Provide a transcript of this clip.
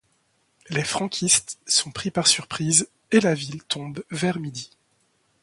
Les franquistes sont pris par surprise et la ville tombe vers midi.